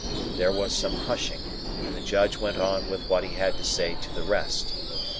There was some hushing, and the Judge went on with what he had to say to the rest.